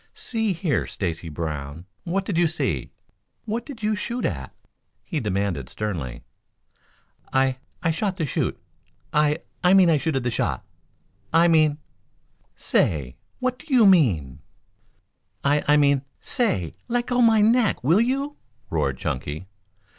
"See here, Stacy Brown, what did you see what did you shoot at?" he demanded sternly. "I I shot the chute I I mean I chuted the shot I mean " "Say, what do you mean?" "I I mean say, leggo my neck, will you?" roared Chunky.